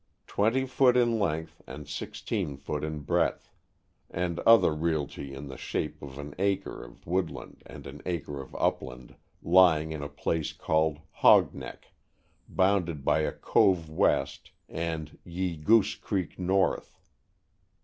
twenty foot in length and sixteen foot in bredth," and other realty in the shape of an acre of woodland and an acre of upland "lying in a place called Hog Neck," bounded by "a cove west" and "ye Goose Creek north."